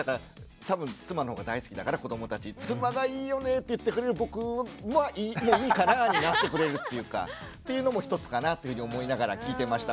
多分妻のほうが大好きだから子どもたち妻がいいよねって言ってくれる僕はもういいかなになってくれるっていうか。というのも１つかなっていうふうに思いながら聞いてました。